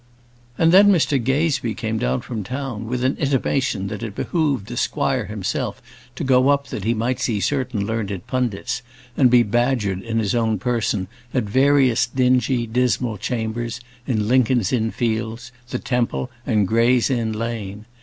And then Mr Gazebee came down from town, with an intimation that it behoved the squire himself to go up that he might see certain learned pundits, and be badgered in his own person at various dingy, dismal chambers in Lincoln's Inn Fields, the Temple, and Gray's Inn Lane.